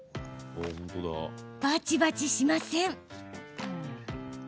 バチバチしません。